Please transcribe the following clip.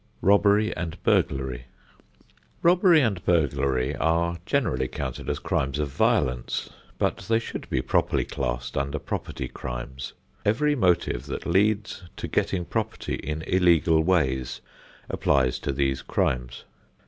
XII ROBBERY AND BURGLARY Robbery and burglary are generally counted as crimes of violence, but they should be properly classed under property crimes. Every motive that leads to getting property in illegal ways applies to these crimes.